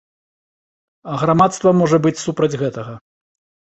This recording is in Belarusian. А грамадства можа быць супраць гэтага.